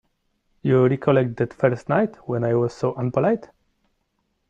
You recollect that first night, when I was so unpolite?